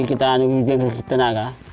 ya itu yang penting kita harus tenaga